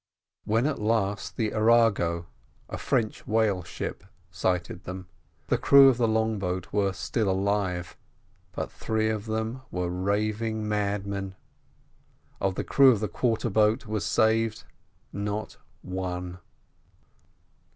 When at last the Arago, a French whale ship, sighted them, the crew of the long boat were still alive, but three of them were raving madmen. Of the crew of the quarter boat was saved—not one.